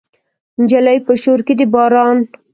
نجلۍ په شور کې د باران